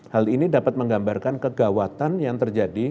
hal ini dapat menggambarkan kegawatan yang terjadi